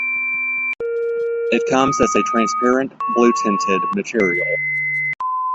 It comes as a transparent blue-tinted material.